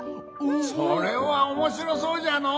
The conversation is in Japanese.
それはおもしろそうじゃのう！